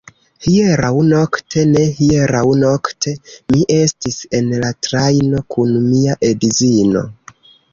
Hieraŭ nokte, ne hieraŭ nokte, mi estis en la trajno kun mia edzino.